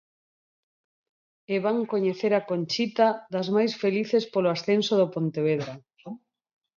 E van coñecer a Conchita, das máis felices polo ascenso do Pontevedra.